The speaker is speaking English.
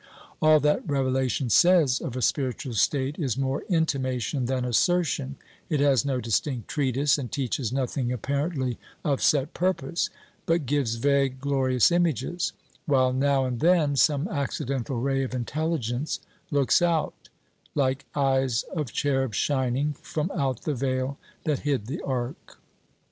All that revelation says of a spiritual state is more intimation than assertion; it has no distinct treatise, and teaches nothing apparently of set purpose; but gives vague, glorious images, while now and then some accidental ray of intelligence looks out, " like eyes of cherubs shining From out the veil that hid the ark."